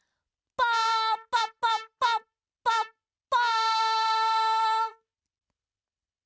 パパパパッパッパ。